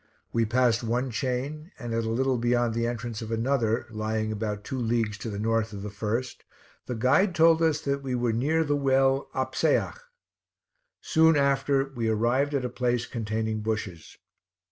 We passed one chain, and at a little beyond the entrance of another, lying about two leagues to the north of the first, the guide told us that we were near the well Apseach; soon after we arrived at a place containing bushes.